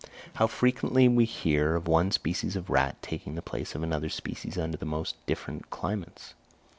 How frequently we hear of one species of rat taking the place of another species under the most different climates!